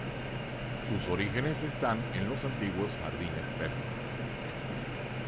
Sus orígenes están en los antiguos jardines persas.